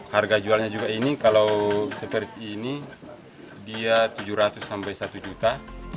harga jualnya juga ini kalau seperti ini dia tujuh ratus sampai satu juta